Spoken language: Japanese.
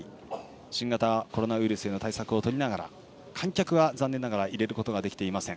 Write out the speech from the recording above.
新型コロナウイルスへの対策をとりながら観客は残念ながら入れることはできていません。